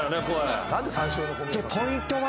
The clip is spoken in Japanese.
ポイントは。